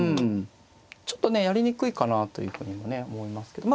ちょっとねやりにくいかなというふうにもね思いますけど。